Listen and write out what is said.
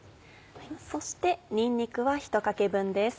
そしてにんにくは１かけ分です。